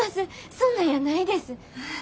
そんなんやないです。